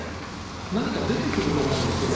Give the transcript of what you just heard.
何か出てくると思うんですよね。